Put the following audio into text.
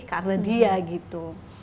karena dia gitu